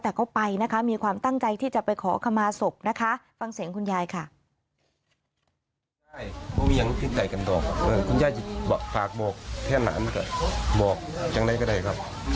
แต่ก็ไปนะคะมีความตั้งใจที่จะไปขอขมาศพนะคะ